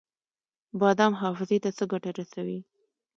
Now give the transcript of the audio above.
بادام حافظې ته څه ګټه رسوي؟